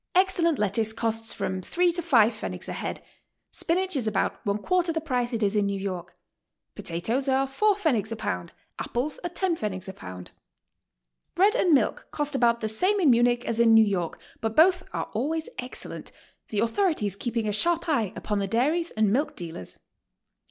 Ex cellent lettuce costs from three to five pfennigs a head; spin ach is about one quarter the price it is in New York; potatoes are four pfennigs a pound; apples are ten pfennigs a pound. Bread and milk cost about the same in Munich as in New York, but both are always excellent, the authorities keeping a sharp eye upon the dairies and milk dealers.